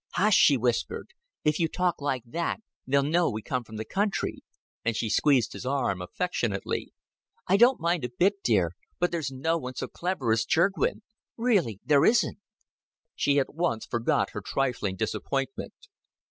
"Hush," she whispered. "If you talk like that, they'll know we come from the country;" and she squeezed his arm affectionately. "I don't mind a bit, dear but there's no one so clever as Chirgwin. Really there isn't." She at once forgot her trifling disappointment.